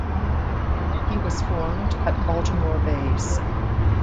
He was formed at Baltimore Bays.